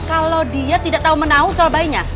kalau dia tidak tahu menahu soal bayinya